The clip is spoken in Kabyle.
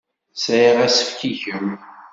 Sɛiɣ asefk i kemm.